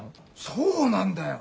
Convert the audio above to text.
そうなんだよ。